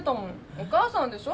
お母さんでしょ